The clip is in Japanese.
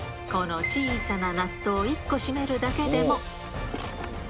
この小さなナットを１個締めるだけでも。